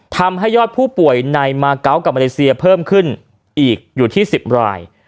ทำให้ยอดผู้ป่วยในมาเกาะกับมาเลเซียเพิ่มขึ้นอีกอยู่ที่๑๐ราย